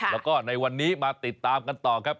แล้วก็ในวันนี้มาติดตามกันต่อครับ